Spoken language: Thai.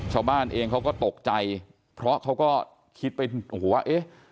ชาวบ้านเองเขาก็ตกใจเพราะเขาก็คิดไปโอ้โหว่าเอ๊ะ